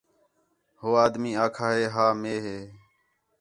ہو آدمی آکھا ہِے ہا مے ہے